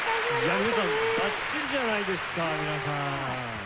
いや皆さんバッチリじゃないですか皆さん。